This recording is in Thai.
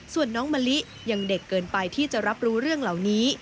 ส่วนน้องมะลิยังเด็กเกินไปที่จะรับรู้เรื่องเหล่านี้